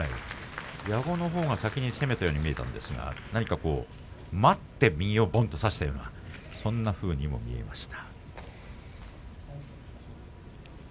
矢後が先に攻めたように見えたんですが、待って右をばっと差したようなそんなふうにも見えました。